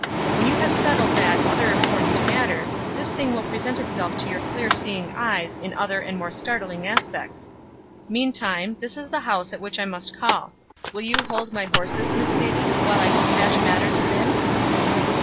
When you have settled that other important matter, this thing will present itself to your clear seeing eyes in other and more startling aspects. Meantime, this is the house at which I must call. Will you hold my horses, Miss Sadie, while I dispatch matters within?"